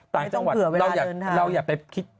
ต่างจังหวัดเราอย่าไปคิด